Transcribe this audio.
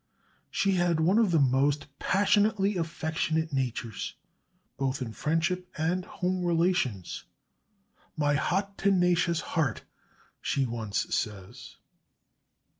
She had one of the most passionately affectionate natures both in friendship and home relations "my hot tenacious heart," she once says!